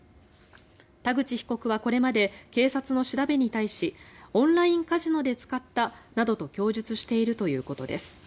田口被告はこれまで警察の調べに対しオンラインカジノで使ったなどと供述しているということです。